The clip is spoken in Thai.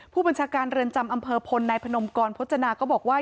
ผู้บัญชาการเรือนจำอำเภอพลนายพนมกรพจนาก็บอกว่า